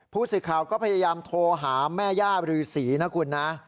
ผู้สื่อข่าวก็พยายามโทรหาแม่ย่าบรือศรีนะคุณนะ